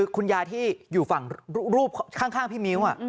คุณยายที่อยู่ฝั่งรูปข้างพี่มิ้ว